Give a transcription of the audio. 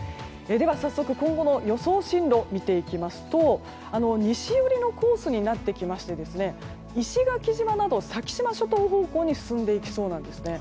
では、早速今後の予想進路を見ていきますと西寄りのコースになってきまして石垣島など先島諸島方向に進んでいきそうなんです。